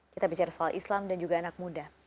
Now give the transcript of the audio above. kita bicara soal islam dan juga anak muda